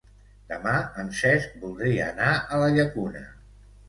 Demà en Cesc voldria anar a la Llacuna.